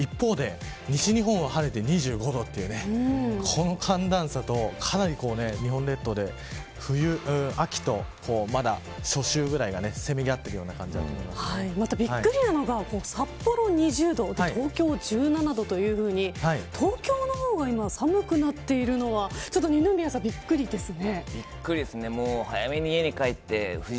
西日本は晴れて２５度というこの寒暖差と日本列島で冬、秋ぐらいがせめぎ合っているようなびっくりするのが札幌２０度東京１７度というふうに東京の方が寒くなっているのはびっくりですね。